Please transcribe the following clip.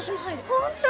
本当？